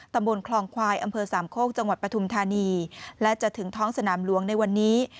ตำบลคลองควายอำเภอสามโคกจังหวัดปฐุมธานีและจะถึงท้องสนามหลวงในวันนี้